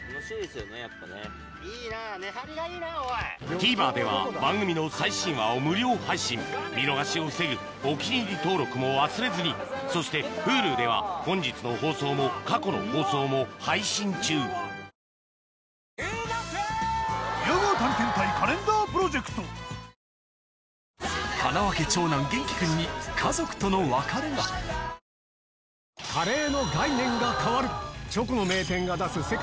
ＴＶｅｒでは番組の最新話を無料配信見逃しを防ぐ「お気に入り」登録も忘れずにそしてＨｕｌｕでは本日の放送も過去の放送も配信中きたきたきたきたー！